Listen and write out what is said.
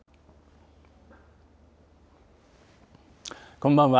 こんばんは。